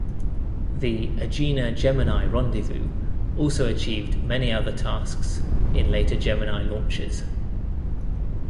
The Agena-Gemini rendezvous also achieved many other tasks in later Gemini launches.